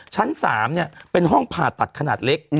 ชั้น๓เป็นห้องผ่าตัดขนาดเล็ก